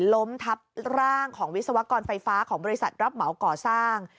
ล้มทับร่างของวิศวกรไฟฟ้าของบริษัทรับเหมาก่อสร้าง